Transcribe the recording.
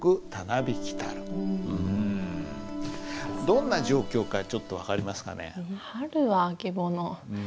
どんな状況かちょっと分かりますかね？